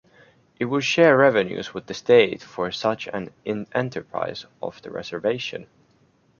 It would share revenues with the state for such an enterprise off the reservation.